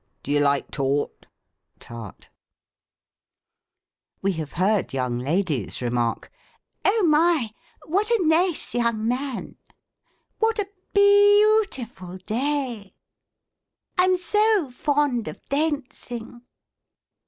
Do you like taut (tart) ?" We have heard young ladies remark, —" Oh, my ! What a naice young man !"'• What a bee — eautiful day !"" I'm so fond of dayncing